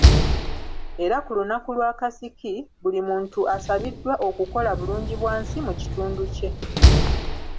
Era ku lunaku lw'akasiki, buli muntu asabiddwa okukola bulungibwansi mu kitundu kye.